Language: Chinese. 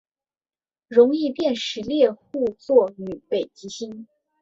容易辨识猎户座与北极星